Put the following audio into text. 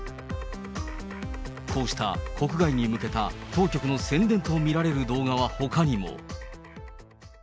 こうした国外に向けた当局の宣伝と見られる動画は、ほかにも。